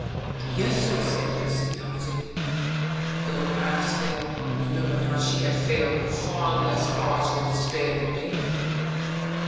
"Yes, sir," said Christie, heartily, though her eyes fell, remembering how she had failed with far less cause for despair than David.